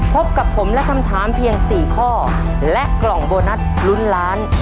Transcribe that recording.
พบกับผมและคำถามเพียง๔ข้อและกล่องโบนัสลุ้นล้าน